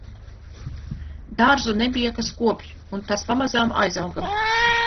Dārzu nebija, kas kopj un tas pamazām aizauga